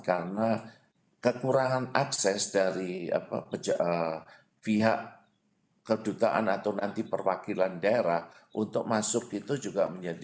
karena kekurangan akses dari pihak kedutaan atau nanti perwakilan daerah untuk masuk itu juga menjadi